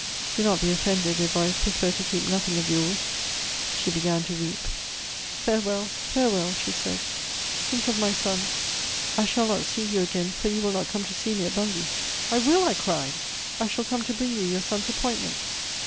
"Do not be offended if I prefer to keep nothing of yours." She began to weep. "Farewell, farewell," she said. "Think of my son. I shall not see you again, for you will not come to see me at Bungay." "I will," I cried; "I shall come to bring you your son's appointment."